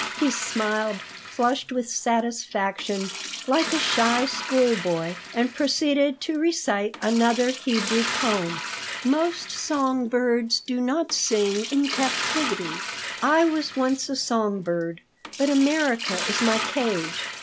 He smiled, flushed with satisfaction, like a shy schoolboy, and proceeded to recite another Hebrew poem: "Most song birds do not sing in captivity. I was once a song bird, but America is my cage.